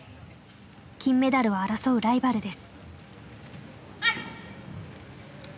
金メダルを争うライバルです。